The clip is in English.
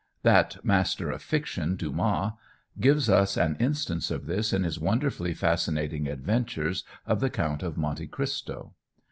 That master of fiction, Dumas, gives us an instance of this, in his wonderfully fascinating adventures of the Count Monte Christo.